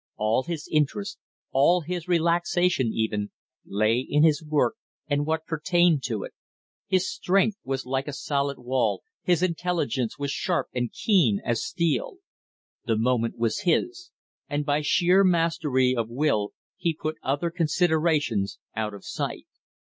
All his interest, all his relaxation even, lay in his work and what pertained to it. His strength was like a solid wall, his intelligence was sharp and keen as steel. The moment was his; and by sheer mastery of will he put other considerations out of sight.